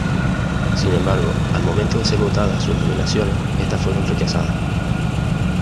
Sin embargo, al momento de ser votadas sus nominaciones estas fueron rechazadas.